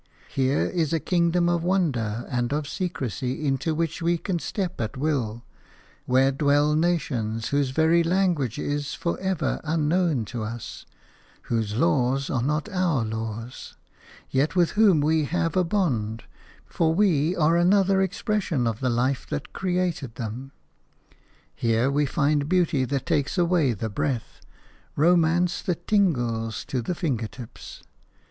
Here is a kingdom of wonder and of secrecy into which we can step at will, where dwell nations whose very language is for ever unknown to us, whose laws are not our laws, yet with whom we have a bond, because we are another expression of the life that created them. Here we find beauty that takes away the breath, romance that tingles to the finger tips.